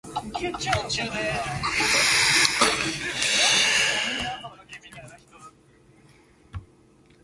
The license can be applied to a work to make it open content.